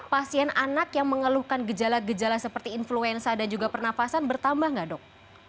pasien anak yang mengeluhkan gejala gejala seperti influenza dan juga pernafasan bertambah nggak dok